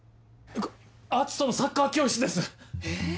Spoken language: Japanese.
篤斗のサッカー教室です！